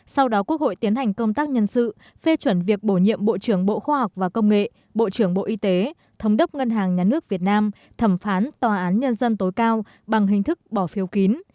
sau đó quốc hội tiến hành công tác nhân sự phê chuẩn việc bổ nhiệm bộ trưởng bộ khoa học và công nghệ bộ trưởng bộ y tế thống đốc ngân hàng nhà nước việt nam thẩm phán tòa án nhân dân tối cao bằng hình thức bỏ phiếu kín